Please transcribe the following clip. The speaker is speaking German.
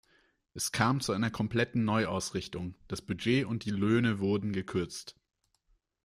Es kam zu einer kompletten Neuausrichtung, das Budget und die Löhne wurden gekürzt.